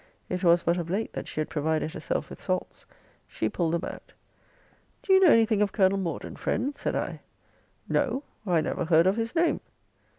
It was but of late that she had provided herself with salts. She pulled them out. Do you know anything of Colonel Morden, friend? said I. No; I never heard of his name.